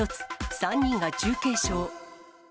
３人が重軽傷。